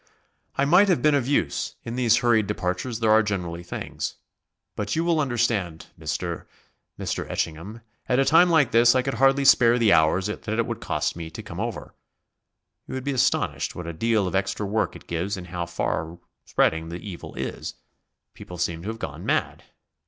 "I might have been of use; in these hurried departures there are generally things. But, you will understand, Mr. Mr. Etchingham; at a time like this I could hardly spare the hours that it cost me to come over. You would be astonished what a deal of extra work it gives and how far spreading the evil is. People seem to have gone mad.